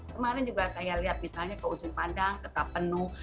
kemarin juga saya lihat misalnya ke ujung pandang tetap penuh